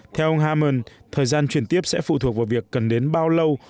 theo ông hammen thời gian chuyển tiếp sẽ phụ thuộc vào việc cần đến bao lâu